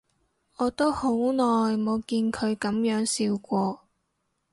我都好耐冇見佢噉樣笑過